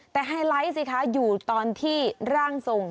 แต่ไฮไลท์สิคะอยู่ตอนที่ร่างทรง